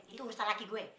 itu urusan laki gue